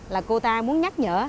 là cô ta muốn nhắc nhở